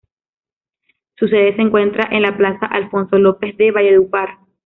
Su sede se encuentra en la Plaza Alfonso López de Valledupar.